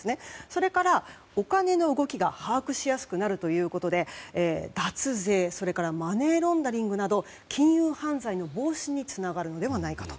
それからお金の動きが把握しやすくなるということで脱税、マネーロンダリングなど金融犯罪の防止につながるのではないかと。